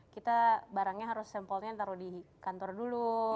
kita barangnya harus sampelnya taruh di kantor dulu